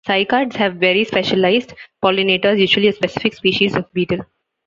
Cycads have very specialized pollinators, usually a specific species of beetle.